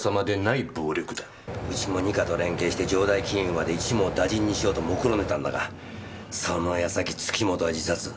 うちも二課と連携して城代金融まで一網打尽にしようともくろんでたんだがその矢先月本は自殺。